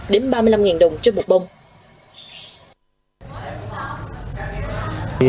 đến ba mươi năm đồng trên một bông